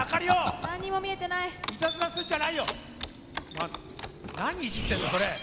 いたずらするんじゃないよ！